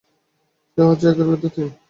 সে হচ্ছে একের ভেতর তিন।